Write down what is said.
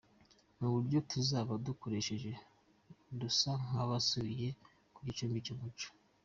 Ni uburyo tuzaba dukoresheje dusa nkabasubiye ku gicumbi cy’umuco.